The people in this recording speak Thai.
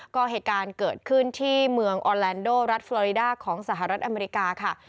ก็เหตุการณ์เกิดขึ้นที่เมืองออนแลนโดรัฐฟรอริดาของสหรัฐอเมริกาค่ะ